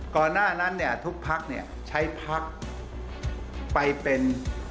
ก่อนหน้านั้นทุกพักใช้พักไปเป็น